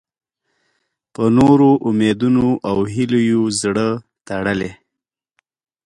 په نورو امیدونو او هیلو یې زړه تړلی.